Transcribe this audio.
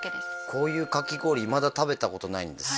こういうかき氷いまだ食べたことないんですよ